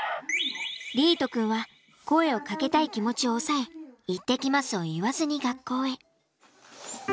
莉絃くんは声をかけたい気持ちを抑え行ってきますを言わずに学校へ。